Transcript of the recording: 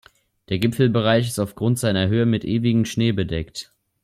Der Gipfelbereich ist aufgrund seiner Höhe mit ewigem Schnee bedeckt.